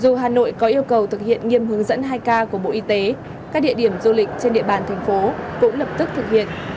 dù hà nội có yêu cầu thực hiện nghiêm hướng dẫn hai k của bộ y tế các địa điểm du lịch trên địa bàn thành phố cũng lập tức thực hiện